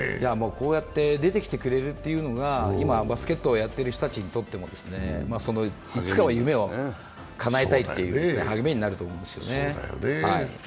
こうやって出てきてくれるというのが今バスケットをやっている人たちにとってもいつかは夢をかなえたいという励みになると思うんですよね。